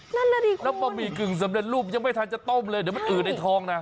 นั่นแหละดิครับแล้วบะหมี่กึ่งสำเร็จรูปยังไม่ทันจะต้มเลยเดี๋ยวมันอืดไอ้ทองนะ